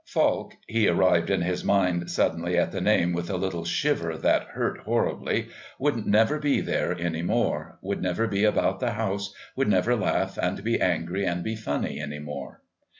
Falk (he arrived in his mind suddenly at the name with a little shiver that hurt horribly) would never be there any more, would never be about the house, would never laugh and be angry and be funny any more.